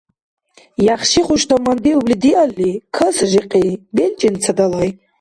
Яхши-хуш тамандиубли диалли, каса жикьи, белчӀен ца далай.